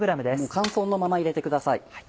乾燥のまま入れてください。